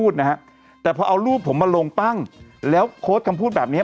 จริงแล้วเนี่ย